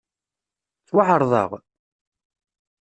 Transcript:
Ttwaεerḍeɣ?